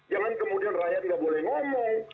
jangan kemudian rakyat nggak boleh ngomong